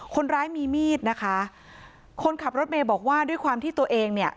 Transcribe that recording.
คนร้ายมีมีดนะคะคนขับรถเมย์บอกว่าด้วยความที่ตัวเองเนี่ย